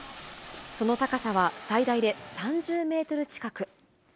その高さは最大で３０メートル近く。